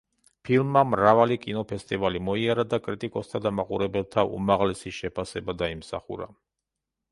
ფილმმა მრავალი კინოფესტივალი მოიარა და კრიტიკოსთა და მაყურებელთა უმაღლესი შეფასება დაიმსახურა.